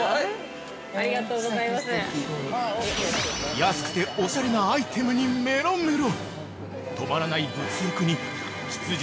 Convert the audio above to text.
安くておしゃれなアイテムにメロメロ！